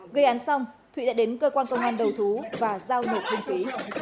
gây án xong thụy đã đến cơ quan công an đầu thú và giao nộp hương phí